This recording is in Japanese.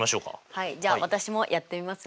はいじゃあ私もやってみますね。